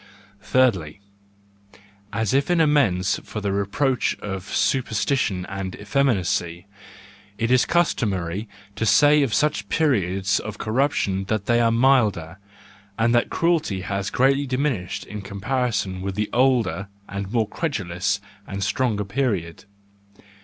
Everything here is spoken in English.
—Thirdly, as if in amends for the reproach of superstition and effeminacy, it is cus¬ tomary to say of such periods of corruption that they are milder, and that cruelty has then greatly diminished in comparison with the older, more credulous, and stronger period.